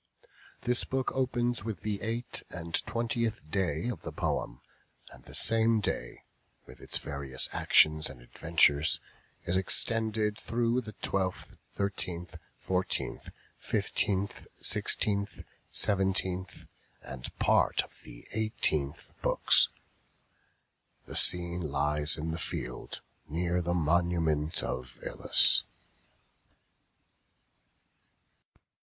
This book opens with the eight and twentieth day of the poem; and the same day, with its various actions and adventures, is extended through the twelfth, thirteenth, fourteenth, fifteenth, sixteenth, seventeenth, and part of the eighteenth books. The scene lies in the field near the monument of Ilus.